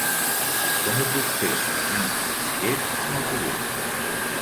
Com ho puc fer per anar a Guixers amb autobús?